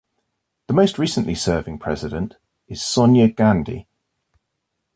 The most recently serving president is Sonia Gandhi.